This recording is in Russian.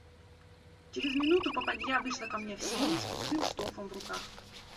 Через минуту попадья вышла ко мне в сени с пустым штофом в руках.